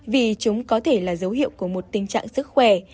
vì chúng có thể là dấu hiệu của một tình trạng sức khỏe